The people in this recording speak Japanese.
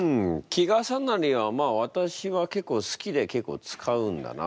季重なりはわたしは結構好きで結構使うんだな。